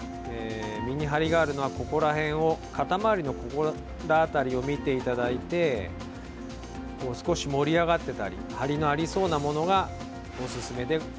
身に張りがあるのは肩周りのここら辺りを見ていただいてこう少し盛り上がってたり張りのありそうなものがおすすめ。